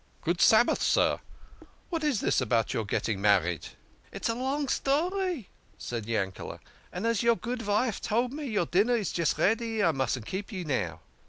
" Good Sabbath, sir ! What is this about your getting married ?"" It's a long story," said Yanked, " and as your good vife told me your dinner is just ready, I mustn't keep you now."